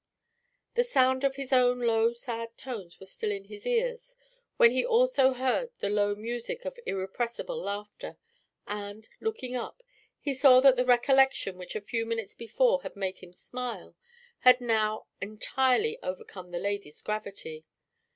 The sound of his own low sad tones was still in his ears when he also heard the low music of irrepressible laughter, and, looking up, he saw that the recollection which a few minutes before had made him smile had now entirely overcome the lady's gravity.